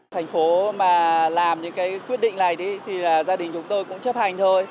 thành phố mà làm những cái quyết định này thì gia đình chúng tôi cũng chấp hành thôi